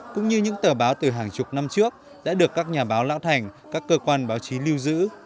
cũng như những tờ báo từ hàng chục năm trước đã được các nhà báo lão thành các cơ quan báo chí lưu giữ